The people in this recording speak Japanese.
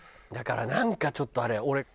だからなんかちょっとあれよ。